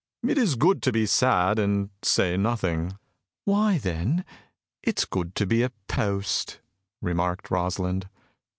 "It is good to be sad and say nothing." "Why, then, it's good to be a post," remarked Rosalind.